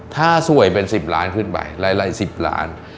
ถ้าสวยเป็นสิบล้านขึ้นไปหลายสิบล้าน